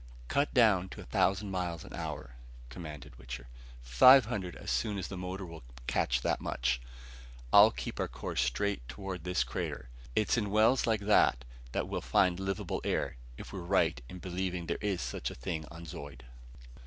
"Cut down to a thousand miles an hour," commanded Wichter. "Five hundred as soon as the motor will catch that much. I'll keep our course straight toward this crater. It's in wells like that, that we'll find livable air if we're right in believing there is such a thing on Zeud."